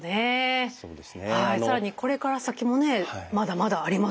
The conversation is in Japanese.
更にこれから先もねまだまだありますね。